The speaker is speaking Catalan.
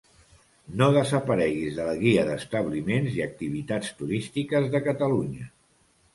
No desapareguis de la Guia d'establiments i activitats turístiques de Catalunya!